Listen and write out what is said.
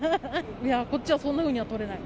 こっちはそんなふうには取れない。